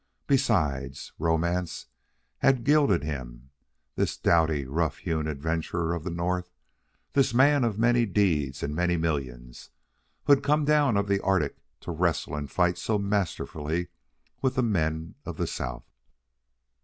Besides, Romance had gilded him, this doughty, rough hewn adventurer of the North, this man of many deeds and many millions, who had come down out of the Arctic to wrestle and fight so masterfully with the men of the South.